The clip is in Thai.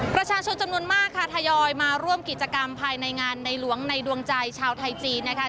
ประชาชนจำนวนมากค่ะทยอยมาร่วมกิจกรรมภายในงานในหลวงในดวงใจชาวไทยจีนนะคะ